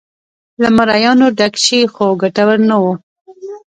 له مریانو ډک شي خو ګټور نه و.